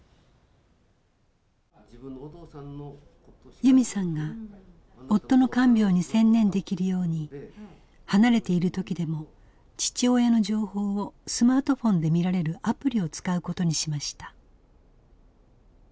由美さんが夫の看病に専念できるように離れている時でも父親の情報をスマートフォンで見られるアプリを使うことにしました。